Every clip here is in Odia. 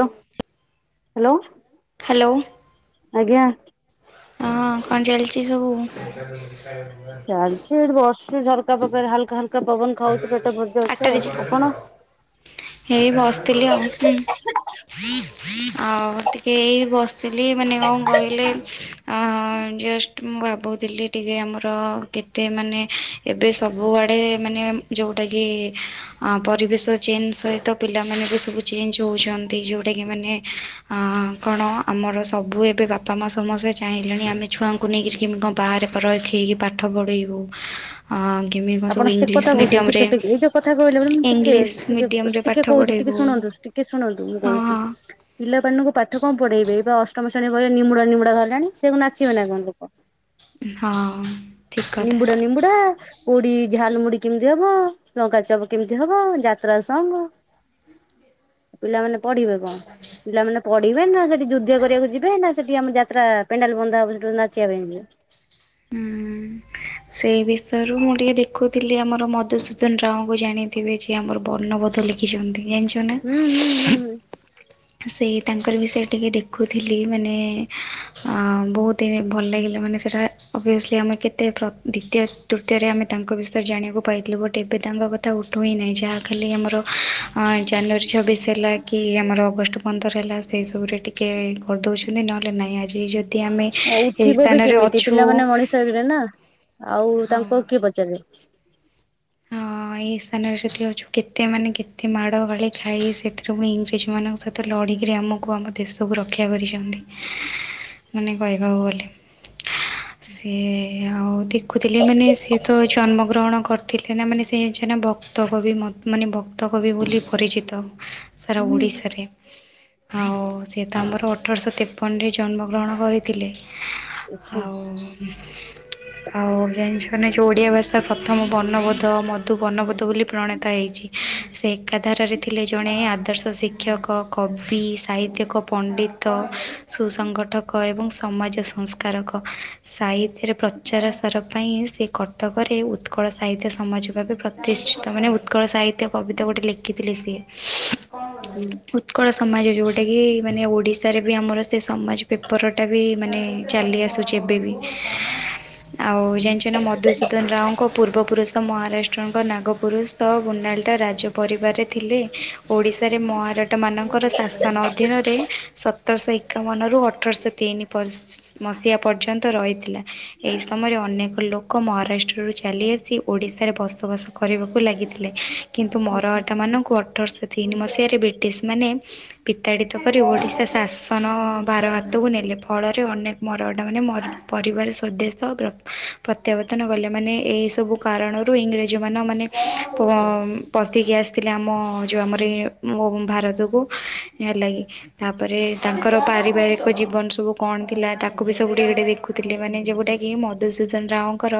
ଲୋ ହେଲୋ। ହେଲୋ। ଆଜ୍ଞା। ହଁ କଣ ଚାଲିଛି ସବୁ? ସେ ଏଠି ବସିଛି ଝରକା ପାକରେ ହାଲକା ହାଲକା ପବନ ଖାଉଛି ପେଟ ପୁରି ଯାଉଛି ଆଉ। ଆପଣ? ଏଇ ବସିଥିଲି ଆଉ ହୁ। ଆଉ ଟିକେ ଏଇ ବସିଲି ମାନେ କଣ କହିଲେ? ହଁ ଜଷ୍ଟ ମୁଁ ଭାବୁଥିଲି ଟିକେ ଆମର କେତେ ମାନେ ଏବେ ସବୁଆଡ଼େ ମାନେ ଯୋଉଁଟାକି ପରିବେଶ ଚେଞ୍ଜ ସହିତ ପିଲାମାନେ ବି ସବୁ ଚେଞ୍ଜ ହେଉଛନ୍ତି ଯୋଉଁଟାକି ମାନେ ହଁ କଣ ଆମର ସବୁ ଏବେ ବାପା ମା ସମସ୍ତେ ଚାହିଁଲେଣି ଆମେ ଛୁଆଙ୍କୁ ନେଇକି କେମିତି କଣ ବାହାରେ ରଇକି ପାଠ ପଢ଼ାଇବୁ କେମିତି କଣ ସବୁ ଆପଣ ସେ ଇଂଲିଶ କଥା କହୁଛନ୍ତି ମିଡ଼ିୟମରେ ଟିକେ ଟିକେ ଏଇ ଯୋଉ କଥା କହିଲେ ଟିକେ ଇଂଲିଶ ଟିକେ ମିଡ଼ିୟମରେ ପାଠ ଟିକେ କହୁଛି ଟିକେ ପଢ଼େଇବୁ ଶୁଣନ୍ତୁ। ଟିକେ ଶୁଣନ୍ତୁ ମୁଁ ହଁ କହୁଛି। ହଁ ପିଲାମାନଙ୍କୁ ପାଠ କଣ ପଢ଼େଇବେ ଏଇବା ଅଷ୍ଟମ ଶ୍ରେଣୀ ବହିରେ ନିମୁଡା ନିମୁଡା ବାହାରିଲାଣି ସେ କଣ ନାଚିବେ ନା କଣ? ହଁ। ଠିକ୍ କଥା ନିମ୍ବୁଡା ନିମ୍ବୁଡା। ପୋଡି ଝାଲ ମୁୁଡି କେମିତି ହବ ଲଙ୍କା ଚପ କେମିତି ହବ ଯାତ୍ରା ସଂଙ୍ଗ ପିଲାମାନେ ପଢିବେ କଣ ପିଲାମାନେ ପଡ଼ିବେ ନା ସେଠି ଯୁଦ୍ଧ କରିବାକୁ ଯିବେ ନା ସେଠୁ ଆମେ ଯାତ୍ରା ପେଣ୍ଡାଲ ବନ୍ଧା ହେବ ସେଠୁ ନାଚିବା ପାଇଁ ଯିବେ। ହୁଁ। ସେହି ବିଷୟରୁ ମୁଁ ଟିକିଏ ଦେଖୁଥିଲି ଆମର ମଧୁସୂଦନ ରାଓଙ୍କୁ ଜାଣିଥିବେ ଯିଏ ଆମର ବର୍ଣବୋଧ [inaudible] ଉମ ହୁଁ ହୁଁ ହୁଁ ହୁଁ ସେଇ ତାଙ୍କରି ବିଷୟରେ ଟିକେ ଦେଖୁଥିଲି ମାନେ ଅମ ବହୁତ ହି ଭଲ ଲାଗିଲା ମାନେ ସେଟା ଅବଭିଅସଲି ଆମେ କେତେ ପ୍ର ଦ୍ୱିତୀୟ ତୃତୀୟରେ ଆମେ ତାଙ୍କ ବିଷୟରେ ଜାଣିବାକୁ ପାଇଥିଲୁ ବଟ୍ ଏବେ ତାଙ୍କ କଥା ଥା ଉଠଇ ନେଇଯା କାଲି ଆମର ହଁ ଜାନୁଆରୀ ଛବିଶ ହେଲା କି ଆମର ଅଗଷ୍ଟ ପନ୍ଦର ହେଲା ସେହିସବୁରେ ଟି କେ କରିଦଉଛନ୍ତି ନହେଲେ ନାଇଁ ଆଜି ଯଦି ଆମେ ଆଉ ଏହି କେବେବି ସ୍ଥାନରେ କେମିତି ଅଛୁ ପିଲାମାନେ ମଣିଷ ହେଇଗଲେ ନା ଆଉ ହଁ ତାଙ୍କ କିଏ ପଚାରୁଚି। ହଁ। ଏଇ ସ୍ଥାନରେ ଯଦି ଅଛୁ କେତେ ମାନେ କେତେ ମାଡ଼ ଗାଳି ଖାଇ ସେଥିରୁ ପୁଣି ଇଂରେଜ ମାନଙ୍କ ଥ ଲଢ଼ିକିରି ଆମକୁ ଆମ ଦେଶକୁ ରକ୍ଷା କରିଛନ୍ତି। ମାନେ କହିବାକୁ ଗଲେ ସିଏ ଆଉ ଦି କହୁଥିଲି ମାନେ ସିଏ ତ ଜନ୍ମଗ୍ରହଣ କ ଥିଲେ ନା ମାନେ ସେ ଯ ଭକ୍ତ କବି ମଅ ମାନେ ଭକ୍ତ କବି ବୋଲି ପରିଚିତ। ସାରା ହୁଁ। ଓଡ଼ିଶାରେ। ଆଉ ସିଏ ତ ଆମର ଅଠରଶହ ତେପନରେ ଜନ୍ମଗ୍ରହଣ କରିଥିଲେ। ଆଚ୍ଛା ଆଉ ଆଉ ଜାଣିଛ ନା ଯଉ ଓଡିଆ ଭାଷା ପ୍ରଥମ ବର୍ଣ୍ଣବୋଧ ମଧୁ ବର୍ଣ୍ଣବୋଧ ବୋଲି ପ୍ରଣତା ହେଇଛି ସେ ଏକାଧାରାରେ ଥିଲେ ଜଣେ ଆଦର୍ଶ ଶି କ୍ଷକ କବି ସାହିତ୍ୟକ ପଣ୍ଡିତ ସୁସଂଗଠକ ଏବଂ ସମାଜ ସଂସ୍କାରକ ସାହି ଥିରେ ପ୍ରଚାର ସାର ପାଇଁ ସେ କଟକରେ ଉତ୍କଳ ସାହିତ୍ୟ ସମାଜ। ଭାବେ ପ୍ରତିଷ୍ଠିତ ମାନେ ଉତ୍କଳ ସାହିତ୍ୟ କବିତା ଗୋଟେ ଲେଖିଥିଲେ ସିଏ। ହୁଁ ଉତ୍କଳ ସମାଜ ଯେଉଟାକି ମାନେ ଓଡ଼ିଶାରେ ବି ଆମର ସେ ସମାଜ ପେପରଟା ବି ମାନେ। ଚାଲି ଆସୁଛି ଏବେ ବି ଆଉ ଜାଣିଛ ନା ମଧୁସୂଦନ ରାଓ। ପୂର୍ବପୁରୁଷ ମହାରାଷ୍ଟ୍ରଙ୍କ ନାଗପୁରୁଷ ଗୁଣ୍ଡାଲ ରାଜ ପରିବାରରେ ଥିଲେ ଓଡ଼ିଶାରେ ମହାରାଟ ମାନଙ୍କର ଶାସନ ଅଧୀନରେ ସ ସତର ସେଇ ଏକାବନରୁ ଅଠରଶହ ତିନି। ପର୍ ମସିହା ପର୍ଯ୍ୟନ୍ତ ରହିଥିଲା ଏହି ସମୟରେ ଅନେକ ଲୋକ ମହାରାଷ୍ଟ୍ର। ଚାଲି ଆସି ଓଡ଼ିଶାରେ ବସବାସ କରିବାକୁ ଲାଗିଥିଲେ କିନ୍ତୁ ହୁଁ ମରହଟା ମାନଙ୍କୁ ଅଠରଶହ ତିନି ମସିହାରେ ବ୍ରିଟିଶମାନେ ବିତାଡ଼ିତ କରି ଓଡ଼ିଶା ଶାସ ସାନ ଭାର ହାତକୁ ନେଲେ ଫଳରେ ଅନେକ ମରହଟା ମାନେ ମ ପରିବାର ସ୍ୱଦେଶ୍ର ପ୍ର ପ୍ରତ୍ୟାବର୍ତ୍ତନ କଲେ ମାନେ ଏଇ ସବୁ କାରଣରୁ ଇଂରେଜ ଯୋଉ ମାନେ ପ ପଶିକି ଆସିଥିଲେ ଆମ ଯଉ ଆମରି ଏ ମୋ ଭାରତକୁ ହେଲାଗି। ତାପରେ ତାଙ୍କର ପାରିବାରିକ ଜୀବନ ସବୁ କଣ ଥିଲା ତା କୁ ବି ସବୁ ଟିକେ ଟିକେ ଦେଖୁଥିଲେ ମାନେ ଯୋଉଟା କି ମଧୁସୂଦନ ରାଓଙ୍କର।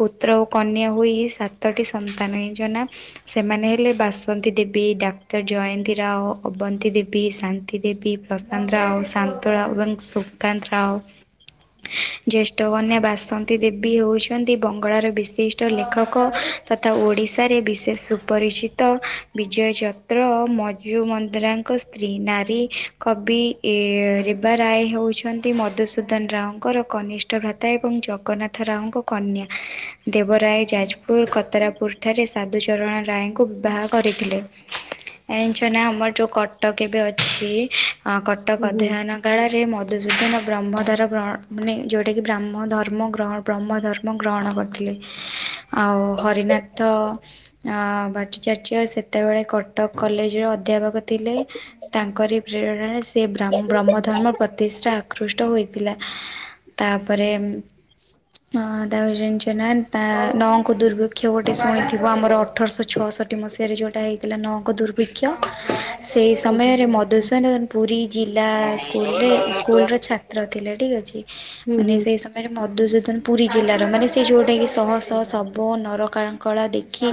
ପୁତ୍ର ଓ କନ୍ୟା ହୋଇ ସାତଟି ସନ୍ତାନ ହେଇଚନା। ସେମାନେ ହେଲେ ବାସନ୍ତୀ ଦେବୀ ଡାକ୍ତର ଜୟନ୍ତୀ ରାଓ ଅବନ୍ତି ଦେବୀ ଶାନ୍ତି ଦେବୀ। ପ୍ରଶାନ୍ତ ରାଓ। ଶାନ୍ତ ରାଓ ଏବଂ ସୁକାନ୍ତ ରାଓ ଜ୍ୟେଷ୍ଠ କନ୍ୟା ବାସନ୍ତୀ ଦେ ବି ହୋଉଛନ୍ତି। ବଙ୍ଗଳାରେ ବିଶିଷ୍ଟ ଲେଖକ ତଥା ଓଡ଼ିଶାରେ ବିଶେଷ ସୁପରିଚିତ। ବିଜୟ ଚକ୍ର ଓ ମଜୁମନ୍ଦ୍ରାଙ୍କ ସ୍ତ୍ରୀ ନାରୀ। କବି ଏ ରେବା ରାୟ ହେଉଛନ୍ତି ମଧୁସୂଦନ ରାଓଙ୍କର କନି ଭ୍ରାତା ଏବଂ ଜଗନ୍ନାଥ ରାଓଙ୍କ କନ୍ୟା। [inaudible] ଦେବରାୟ ଯାଜପୁର କତରାପୁର ଠାରେ ସାଧୁଚରଣ ରାୟଙ୍କୁ ବିବାହ କରିଥିଲେ। ଏଣିଛ ନା ଆମର ଯୋଉ କଟକ ଏବେ ଅଛି ଅ କଟକ ହୁଁ ଅଧ୍ୟୟନା। କାଳରେ ମଧୁସୂଦନ ବ୍ରହ୍ମଦ୍ବାର ଗ୍ରହ ମାନେ ଯେଉଟାକି ବ୍ରାହ୍ମ ଦର୍ମ ଗ୍ରହଣ ବ୍ରହ୍ମ ଧର୍ମ ଗ୍ରହଣ କରିଥିଲେ। ଆଉ ହରିନାଥ ଅ ଭଟଚାର୍ଯ୍ୟ ସେତେବେଳେ କଟକ କଲେଜର ଅଧ୍ୟାପକ ଥିଲେ। ତାଙ୍କରି ପ୍ରେରଣାରେ ସେ ବ୍ରାମ ବ୍ରହ୍ମ ଧର୍ମ ପ୍ରତିଷ୍ଠା ଆକୃଷ୍ଟ ହୋଇଥିଲା। ତାପରେ ଅଁ ତାପରେ ଜାଣିଛ ନା ତା ନଅଙ୍କ ଦୁର୍ବିକ୍ଷ ଗୋଟେ ଶୁଣିଥିବ ଆମର ଅଠର୍ଶ ଛଅଷଠି ମସିହାରେ ଯୋଉଟା ହେଇ ଥିଲା ନଅଙ୍କ ଦୁର୍ଭି୍କ୍ଷ ସେହି ହୁଁ ସମୟରେ ମଧୁସୂଦନ ପୁରୀ ଜିଲ୍ଲା ସ୍କୁଲରେ ସ୍କୁଲର ଛା ତ୍ର ଥିଲେ ଠିକ୍ ଅଛି। ହୁଁ ମାନେ ହୁଁ। ସେଇ ସ ମାନେ ମଧୁସୂଦନ ପୁରୀ ଜିଲ୍ଲାର ମାନେ ସେ ଯୋଉଟା କି ଶହ ଶହ ସବ ନ ରକା କଳା ଦେଖି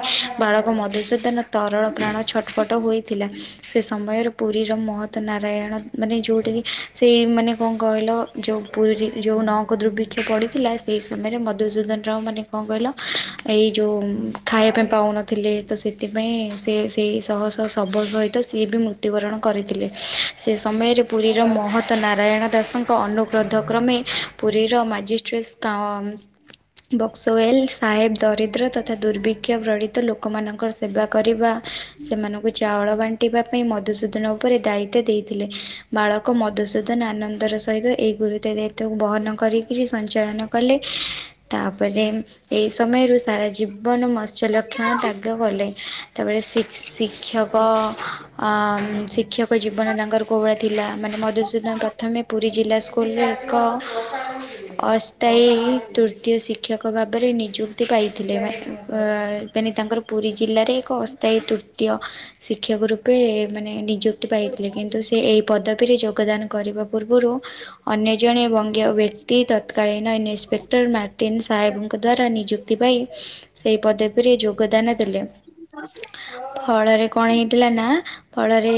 ବାଳକ ମଧୁସୂଦନ ତରଳ ପ୍ରାଣ ଛଟପଟ ହୋଇଥିଲା। ସେ ସମୟର ପୁରୀର ମହତ ନାରାୟଣ ମାନେ ଯୋଉଁଟାକି ସେ ମାନେ କଣ କହିଲ ଯେଉଁ ପୁରୀରେ ଯେଉଁ ନଅଙ୍କ ଦୁର୍ଭିକ୍ଷ ପଡ଼ିଥିଲା ସେ ସମୟରେ ମଧୁସୂଦନ ରାଓ ମାନେ କଣ କହିଲ? ଏଇ ଯେଉଁ ଖାଇବା ପାଉଁନ ଥିଲେ ତ ସେଥିପାଇଁ ସେ ସେଇ ଶହ ଶହ ଶବ ସହିତ ସିଏ ବି ମୃତ୍ୟୁବରଣ କରିଥିଲେ। ସେ ସମୟରେ ପୁରୀର ମହତ ନାରାୟଣ ଦାସଙ୍କ ଅନୁଗ୍ରୋଧ କ୍ରମେ ପୁରୀର ମାଜିଷ୍ଟ୍ରେଟ୍ସ୍ କାଓ ବକ୍ସୱଲ ସାହେବ ଦରିଦ୍ର ତଥା ଦୁର୍ଭିକ୍ଷ ବ୍ରଣିତ ଲୋକମାନ ଙ୍କ ସେବା କରିବା, ସେମାନଙ୍କୁ ଚାଉଳ ବାଣ୍ଟିବା ପାଇଁ ମଧୁସୂଦନ ଉପରେ ଦାୟିତ୍ୱ ଦେଇଥିଲେ। ବାଳକ ମଧୁସୂଦନ ଆନନ୍ଦର ସହିତ ଏଇ ଗୁରୁତ ଦାୟିତ୍ୱ କୁ ବହନ କରିକିରି ସଞ୍ଚାଳନ କଲେ। ତାପରେ ଏଇ ସମୟରୁ ସାରା ଜୀ ବନ ମତ୍ସ୍ୟ ଲକ୍ଷଣ ତ୍ୟାଗ କଲେ। ତାପରେ ଶୀ ଶିକ୍ଷକ ଆଁ ଶିକ୍ଷକ ଜୀବନ ତାଙ୍କର କୋଉ ଭଳିଆ ଥିଲା? ମାନେ ମଧୁସୂଦନ ପ୍ରଥମେ ପୁରୀ ଜିଲ୍ଲା ସ୍କୁଲରେ ଏକ ଅସ୍ଥାୟୀ ତୃତୀୟ ଶିକ୍ଷକ ଭାବରେ ନିଯୁକ୍ତି ପାଇଥିଲେ। ମାନେ ତାଙ୍କର ପୁରୀ ଜିଲ୍ଲାରେ ଏକ ଅସ୍ଥାୟୀ ତୃତୀୟ ଶିକ୍ଷକ ରୁ ପେ ଏ ମାନେ ନିଯୁକ୍ତି ପାଇଥିଲେ, କିନ୍ତୁ ସେ ଏଇ ପଦ ପି ରେ ଯୋଗଦାନ କରିବା ପୂର୍ବରୁ, ଅନ୍ୟ ଜଣେ ବଙ୍ଗୀୟ ବ୍ୟକ୍ତି ତତ୍କାଳୀନ ଇନ୍ସ୍ପେକ ଟର୍ ମାର୍ଟିନ୍ ସାହେବଙ୍କ ଦ୍ୱାରା ନିଯୁକ୍ତି ପାଇ, ସେହି ପଦବୀରେ ଯୋଗଦାନ ଦେଲେ। [inaudible] ଫଳରେ କଣ ହେଇଥିଲା ନା, ଫଳରେ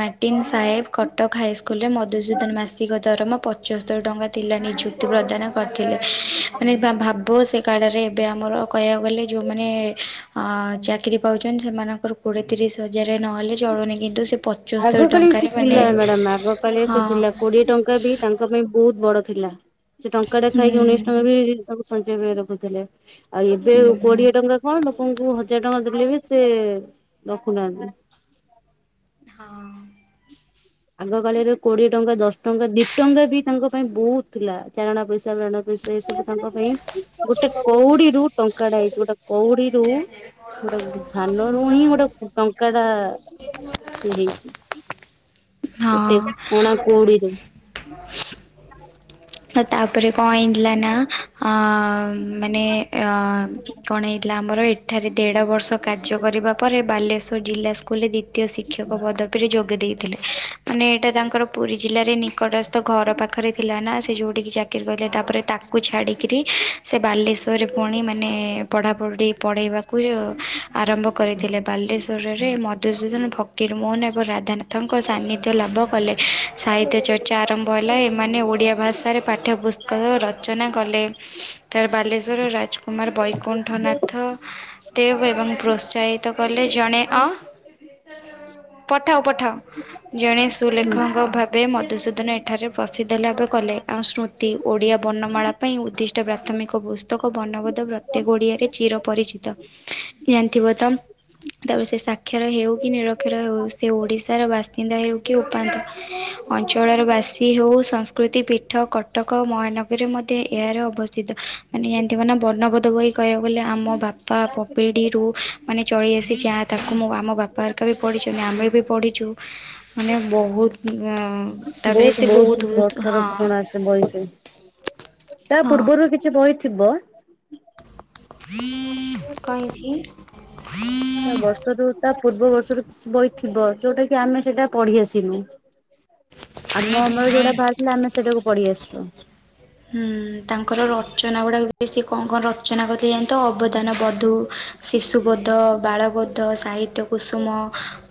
ମାର୍ଟିନ ସାହେବ ଖ ଟକ ହାଇସ୍କୁଲରେ ମଧୁସୂଦନ ମାସିକ ଦରମା ପଚସ୍ତରୀ ଟଙ୍କା ଥିଲା ନିଯୁକ୍ତି ପ୍ରଦାନ କରିଥିଲେ। [inaudible] ମାନେ ଭାବ ସେକାଳରେ ଏବେ ଆମର କହିବାକୁ ଗଲେ ଯେଉଁମାନେ, ଆଁ ଚାକିରି ପାଉଛନ୍ତି ସେମାନ ର କୋଡିଏ, ତିରିଶ ହଜାର, ନ ହେଲେ ଚଳୁନି କିନ୍ତୁ ସେ ପଚସ୍ତରୀ ଆଗ କାଳେ ସେ ଟଙ୍କାରେ ମାନେ ଥିଲା ମ୍ୟାଡାମ, ଆଗ କାଳେ ହଁ ସେ ଥିଲା। କୋଡିଏ ଟଙ୍କା ବି ତାଙ୍କ ପାଇଁ ବହୁତ ବଡ ଥିଲା। ସେ ଟଙ୍କା ଟେ ହୁଁ ଖାଇକି ଉଣେଇଶି ଟଙ୍କା ବି ତାକୁ ସଞ୍ଚୟ କରି ରଖୁଥିଲେ। ଆଉ ଏବେ ହୁଁ କୋଡିଏ ଟଙ୍କା କଣ? ଲୋକଙ୍କୁ ହଜାର ଟଙ୍କା ଦେଲେ ବି ସେ, ରଖୁନାହାନ୍ତି। ହଁ। ଆଗ କାଳରେ କୋଡିଏ ଟଙ୍କା, ଦଶ୍ ଟଙ୍କା, ଦି ଟଙ୍କା ବି ତାଙ୍କ ପାଇଁ ବହୁତ୍‌ ଥିଲା। ଚାରଣା ପଇସା [unintelligible] ସେ ସବୁ ତାଙ୍କ ପାଇଁ ଗୋଟେ କୋଉଡି ରୁ ଟଙ୍କାଟା ହେଇଛି ଗୋଟେ କଉଡ଼ିରୁୁ ଗୋଟେ ଧାନରୁୁ ହିଁ ଗୋଟେ ଟଙ୍କା ଟା ସେ ହେଇଛି। ଗୋଟେ ହଁ କଣା କୋଉଡିରୁ। ତାପରେ କଣ ହେଇଥିଲା ନା ଆଁ ମାନେ ଅଁ କଣ ହେଇଥିଲା ଆମର ଏଠାରେ ଦେଢ଼ ବର୍ଷ କାର୍ଯ୍ୟ କରିବା ପରେ ବାଲେଶ୍ୱର ଜିଲ୍ଲା ସ୍କୁଲରେ ଦିତୀୟ ଶି କ୍ଷକ ପଦବୀରେ ଯୋଗ ଦେଇଥିଲେ। ମାନେ ଏଇଟା ତାଙ୍କର ପୁରୀ ଜିଲ୍ଲାରେ ନିକଟସ୍ଥ ଘର ପାଖରେ ଥିଲା ନା ଯୋଉଁଟିକି ଚାକିରି କଲେ ତା ପରେ ତାକୁ ଛାଡ଼ିକିରି। ସେ ବାଲେଶ୍ଵର ରେ ପୁଣି ମାନେ ପଢ଼ାପଢ଼ି ପଢ଼େଇବାକୁ ଆରମ୍ଭ କରିଥିଲେ। ବାଲେଶ୍ୱରରେ ମଧୁସୂଦନ ଭକ୍ ଫକିରମୋହନ ଏବଂ ରାଧାନାଥଙ୍କ ସାନିଧ୍ୟ ଲାଭ କଲେ। ସାହିତ୍ୟ ଚର୍ଚ୍ଚା ଆରମ୍ଭ ହେଲା ଏବଂ ମାନେ ଓଡ଼ିଆ ଭାଷାରେ ପାଠ୍ୟପୁସ୍ତକ ରଚନା କଲେ। ତା ବାଲେଶ୍ଵର ରାଜକୁମାର ବୈକୁଣ୍ଠ ନାଥ ଦେବ୍ ଏବଂ ପ୍ରୋତ୍ସାହିତ କଲେ ଜଣେ ଅଁ ପଠାଅ ପଠାଅ। ଜଣେ ସୁଲେଖକ ଭାବେ ମଧୁସୂଦନ ଏଠାରେ ପ୍ରସିଦ୍ଧ ଲାଭ କଲେ। ଆଉ ସ୍ମୃତି ଓଡ଼ିଆ ବର୍ଣ୍ଣମାଳା ପାଇଁ ଉଦ୍ଦିଷ୍ଟ ପ୍ରାଥମିକ ପୁସ୍ତକ ବର୍ଣବୋଧ ବ୍ର ତେ ଗୋଡିଆରେ ଚିର ପରିଚିତ ଜାଣିଥିବ ତ? ତାପରେ ସେ ସାକ୍ଷର ହେଉ, କି ନିରକ୍ଷର ହେଉ, ସେ ଓଡିଶାର ବାସିନ୍ଦା ହେଉ, କି ଉପାନ୍ତ ଅଞ୍ଚଳର ବାସୀ ହଉ ସଂସ୍କୃତି ପି କଟକ ମହାନଗରେ ମଧେ ଏହାର ଅବସ୍ଥିତ। ମାନେ ଜାଣିଥିବ ନା ବର୍ଣ୍ଣଭୋଧ ବହି କହିବାକୁ ଗଲେ ଆମ ବା ପା ପ ପିଢ଼ିରୁ ମାନେ ଚଳେଇଆସିଛି ଯା ତାକୁ ମୁଁ ଆମ ବାପା ଆରକା ବି ପଢ଼ିଛନ୍ତି ଆମେ ବି ପଢ଼ିଛୁ। ମାନେ ବହୁତ୍ ଅ ବହୁତ୍ ବହୁତ୍ ବର୍ଷାର ପୁୁରଣା ସ୍‌ ବହି ସେ ତା ହଁ ପୂର୍ବରୁ କିଛି ବହି ଥିବ? କଣ ହେଇଛି? ବର୍ଷରୁ ତା ପୂର୍ବ ବର୍ଷରୁ ବହି ଥିବ ଯୋଉଟା କି ଆମେ ସେଇଟା ପଢି ଆସିନୁ। ଆମ ଅମଳରେ ଯୋଉଟା ବାହାରି ଥିଲା, ଆମେ ସେଇଟାକୁ ପଢି ଆସିଛୁ। ହୁଁ ତାଙ୍କର ରଚନା ଗୁଡାକ ବି ସେ କଣ କଣ ରଚନା କରି ପ୍ରୟନ୍ତ ଅବଦାନ ବଧୁ ଶିଶୁ ବୋଧ, ବାଳବୋଧ, ସାହିତ୍ୟ କୁସୁମ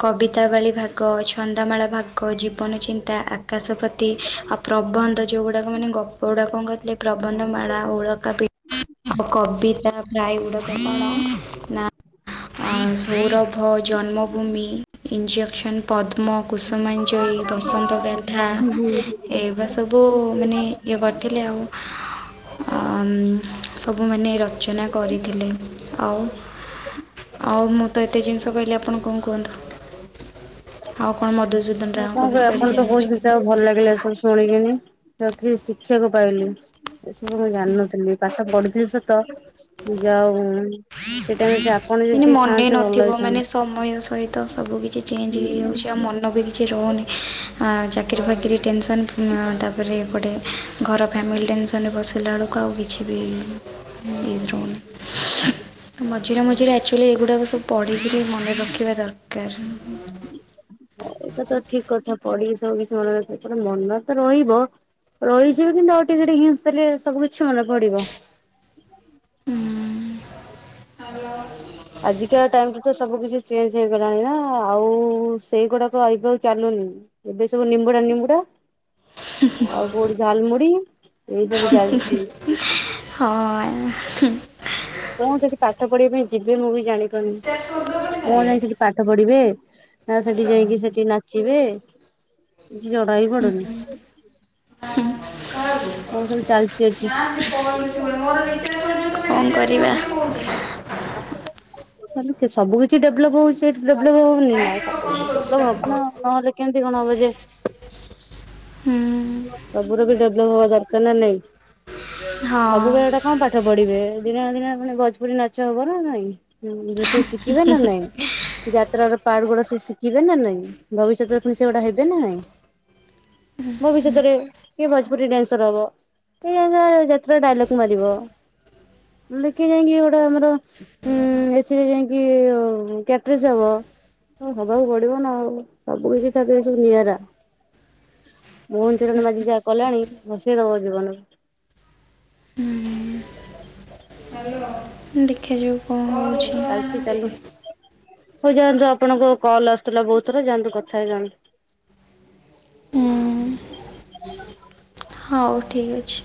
କବିତାବାଳି ଭାଗ, ଛନ୍ଦାମାଳା ଭାଗ, ଜୀବନଚିନ୍ତା ଆକାଶପ୍ରତି, ଆଉ ପ୍ରବନ୍ଧ ଯେଉଁଗୁଡ଼ାକ ମାନେ ଗପ ଗୁଡ଼ାକ କଣ କରିଥିଲେ। ପ୍ରବନ୍ଧମାଳା, ଉଳକା ପି ଆଉ କବିତା ପ୍ରାୟ ଉଳକାଳ ନା ସୌରଭ, ଜନ୍ମଭୂମି, ଇଞ୍ଜେକ୍ସନ୍ ପଦ୍ମ, କୁସୁମାଞ୍ଜଳି, ବସନ୍ତ ଗାଥା, ଏଗୁଡ଼ା ସବୁ ମାନେ ଇଏ କରିଥିଲେ ଆଉ। ସବୁମାନେ ରଚନା କରିଥିଲେ ଆଉ। ଆଉ ମୁଁ ତ ଏତେ ଜିନିଷ କହିଲି। ଆପଣ କଣ କୁହନ୍ତୁ। ଆଉ କଣ ମଧୁ ସୁଦନ ରାଓଙ୍କ ବିଷୟରେ ଜାଣିଛୁ? ଜା ହଉ ସବୁ ଭଲ ଲାଗିଲା ସବୁ ଶୁଣିକିନି ତ କିଛି ଶିକ୍ଷିବାକୁ ପାଇଲି। ଏସବୁ ମୁଁ ଜାଣିନଥିଲି। ପାଠ ପଢିଥିଲି ସତ ମୁ ଯାଉ ସେଇ ଟାଇମରେ ଯଦି ଆପଣ ମାନେ ଯଦି ମନେ ଥାଆନ୍ତେ ନଥିବ ଭଲ ମାନେ ହେଇଥାନ୍ତା। ସମୟ ସହିତ ସବୁ କିିଛି ଚେଞ୍ଜ ହେଇଯାଉଛି ଆଉ ମନ ବି କିଛି ରହୁନି ଚାକିରି ଫାକିରି ଟେନସନ୍ ତାପରେ ଏପଟେ ଘର, ଫ୍ୟାମିଲି ଟେନସନରେ ବସିଲା ବେଳକୁ ଆଉ କିଛି ବି [unintelligible] ମଝିରେ ମଝିରେ ଆକ୍ଚୁଆଲି ଏଗୁଡ଼ାକ ସବୁ ପଢ଼ିକିରି ମନେ ରଖିବା ଦରକାର୍। ହୁଁ ଏଇଟା ତ ଠିକ୍ କଥା। ପଢିକି ସବୁ କିଛି ମନେ ରଖ ମନ ତ ରହିବ। ରହିଯିବ, କିନ୍ତୁ ଆଉ ଟିକେ ଟିକେ ହିଂଟ୍ସ ଦେଲେ ସବୁ କିଛି ମନେ ପଡିବ। ହୁଁ। ଆଜିକା ଟାଇମ୍ ରେ ତ ସବୁ କିଛି ଚେଞ୍ଜ ହେଇଗଲାଣି ନା, ଆଉ ସେଇଗୁଡାକ ଏବେ ଆଉ ଚାଲୁନି। ଏବେ ସବୁ ନିମ୍ବୁଡା ନିମ୍ବୁଡା ଆଉ କୋଉଠି ଝାଲମୁଢ଼ି ଏଇ ସବୁ ଚାଲିଚି। ହଁ। କଣ ଯଦି ପାଠ ପଢିବା ପାଇଁ ଯିବେ, ମୁଁ ବି ଜାଣିପାରୁନି। କଣ ଯାଇକି ସେଠି ପାଠ ପଢିବେ? ନା ସେଠି ଯାଇକି ସେଠି ନାଚିବେ? କିଛି ଜଡା ହି ପଡୁନି। [unintelligible] କଣ କଣ ସବୁ ଚାଲିଛି ଏଠି କରିବା? ସବୁ କିଛି ଡେଭଲପ୍ ହଉଚି। ସେ ଡେଭଲପ ହବଉନି ନା ଦେଖାଯାଉ ସବୁ କଣ ଡେପ ହେଉଛି। ହବ ନହେଲେ କେମତି କଣ ହବ ଯେ ହୁଁ। ସବୁୁରା ବି ଡେଭଲପ ହବା ଦରକାର ନା ନାଇଁ ସବୁବେଳେ ଗଡା ହଁ ପାଠ ପଢିବେ ଦିନ ଦିନ ପେ ଭୋଜପୁରୀ ନାଚ ହବ ନା ନାଇଁ? ସେ ଶିଖିବେ ନା ନାଇଁ? ଯାତ୍ରାର ପାର୍ଟ ଗୁଡ଼ା ସ ଶିଖିବେ ନା ନାାଇଁ ଭବିଷ୍ୟତରେ ପୁଣି ସେଗୁଡ଼ା ହେବେ ନା ନାଇଁ? ମୋ ଭିଷ୍ୟତରେ କିଏ ଭୋଜପୁରୀ ଡ୍ୟାନ୍ସର ହବ ସେ ଜା ଡାଇଲଗ ମାରିବ। ଲେଖି ଯାଇକି ଗୋଟେ ଆମର ହୁଁ ଏଥିରେ ଯାଇକି କ୍ୟାଟ୍ରସ୍ ହବ। ହ ହବାକୁ ପଡିବ ନା ଆଉ ସବୁ କିଛି ଥା ଏ ସବୁ ନିଆରା। ମୋହନଚରଣ ବାଜି ଯାହା କଲାଣି ହସେଇଦବ ଜୀବନରୁ। ହ ଦେଖାଯାଉ ଚାଲଚି ଚାଲୁ। ହଉ ଯାଆନ୍ତୁ ଆପଣଙ୍କ କଲ ଆସୁଥିଲା ବହୁତ ଥର ଯାଆନ୍ତୁ କଥା ହେଇଯାଆନ୍ତୁ। ହଉ ଠିକ୍ ଅଛି।